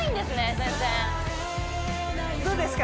全然どうですか？